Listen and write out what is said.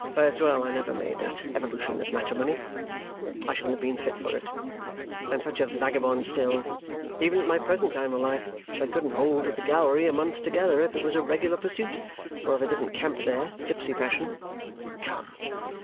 But it's well I never made that evolution of matrimony. I shouldn't have been fit for it. I am such a vagabond still, even at my present time of life, that I couldn't hold to the gallery a month together if it was a regular pursuit or if I didn't camp there, gipsy fashion. Come!